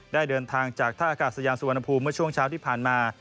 ได้เดินทางจากท่าอากาศยานสุวรรณภูมิเมื่อช่วงเช้าที่ผ่านมา